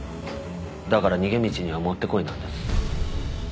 だから逃げ道にはもってこいなんです。